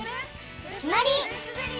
きまり！